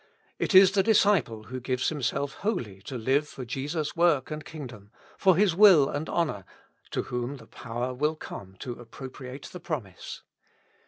It is the disciple who gives himself wholly to live for Jesus' work and king dom, for His will and honor, to whom the power will come to appropriate the promise.